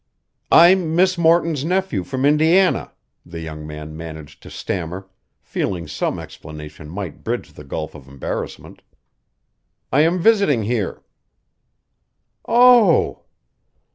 "I'm Miss Morton's nephew from Indiana," the young man managed to stammer, feeling some explanation might bridge the gulf of embarrassment. "I am visiting here." "Oh!"